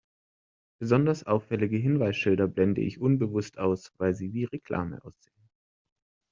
Besonders auffällige Hinweisschilder blende ich unbewusst aus, weil sie wie Reklame aussehen.